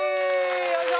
よいしょ！